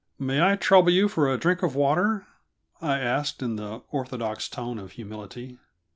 "May I trouble you for a drink of water?" I asked, in the orthodox tone of humility.